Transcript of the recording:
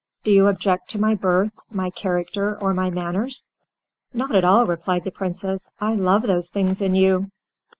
Do you object to my birth, my character, or my manners?" "Not at all," replied the Princess, "I love those things in you."